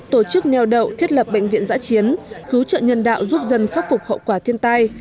tổ chức neo đậu thiết lập bệnh viện giã chiến cứu trợ nhân đạo giúp dân khắc phục hậu quả thiên tai